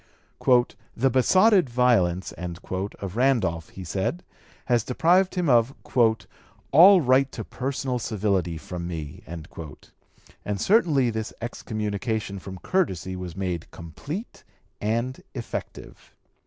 "The besotted violence" of Randolph, he said, has deprived him of "all right to personal civility from me;" and certainly this excommunication from courtesy was made complete and effective.